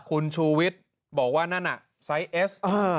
คุณชูวิทย์บอกว่านั่นน่ะไซส์เอส